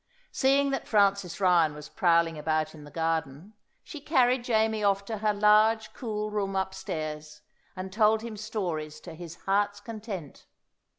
Seeing that Francis Ryan was prowling about in the garden, she carried Jamie off to her large, cool room upstairs, and told him stories to his heart's content.